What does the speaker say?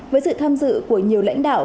với sự tham dự của nhiều lãnh đạo